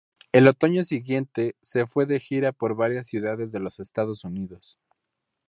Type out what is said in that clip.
El otoño siguiente, se fue de gira por varias ciudades de los Estados Unidos.